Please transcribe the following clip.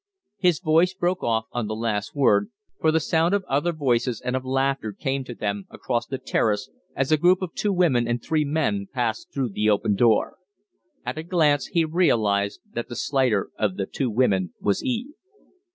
His voice broke off on the last word, for the sound of other voices and of laughter came to them across the Terrace as a group of two women and three men passed through the open door. At a glance he realized that the slighter of the two women was Eve.